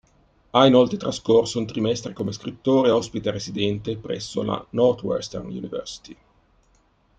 Ha inoltre trascorso un trimestre come scrittore-ospite-residente presso la Northwestern University.